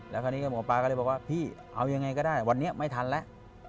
แล้วคราวนี้ก็หมอปลาก็เลยบอกว่าพี่เอายังไงก็ได้วันนี้ไม่ทันแล้ว